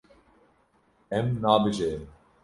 Em nabijêrin.